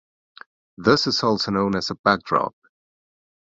This is also known as a backdrop.